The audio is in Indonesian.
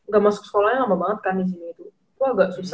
gak masuk sekolahnya lama banget kan izinnya itu